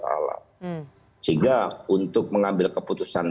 sehingga untuk mengambil keputusan